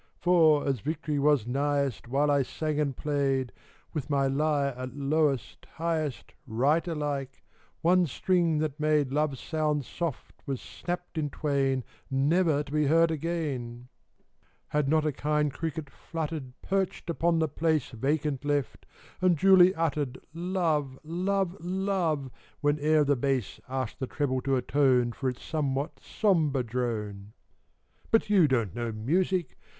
" For as victory was nighest, While I sang and played, — With my lyre at lowest, highest. Right alike, — one string that made 'Love' sound soft was snapt in twain, Never to be heard again, —" Had not a kind cricket fluttered, Perched upon the place Vacant left, and duly uttered 1 Love, Love, Love,' whene'er the bass 74 THE BOYS' BROWNING. Asked the treble to atone For its somewhat sombre drone." But you don't know music